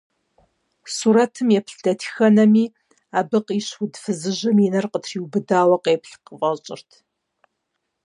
Сурэтым еплъ дэтхэнэми, абы къищ уд фызыжьым и нэр къытриубыдауэ къеплъ къыфӏэщӏырт.